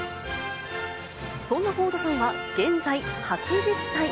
そんなフォードさんは現在８０歳。